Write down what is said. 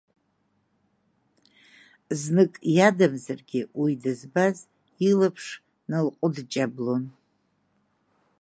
Знык иадамзаргьы уи дызбаз илаԥш налҟәынҷаблон.